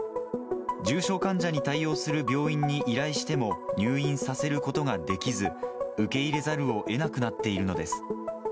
重症患者に対応する病院に依頼しても、入院させることができず、受け入れざるをえなくなっているのです。